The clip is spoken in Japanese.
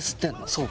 そう。